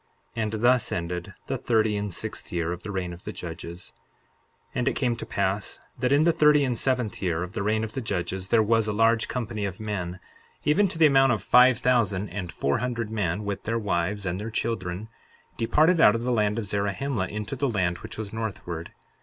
And thus ended the thirty and sixth year of the reign of the judges. 63:4 And it came to pass that in the thirty and seventh year of the reign of the judges, there was a large company of men, even to the amount of five thousand and four hundred men, with their wives and their children, departed out of the land of Zarahemla into the land which was northward.